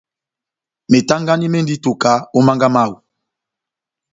Metangani mendi ó ituka ó mánga mawú.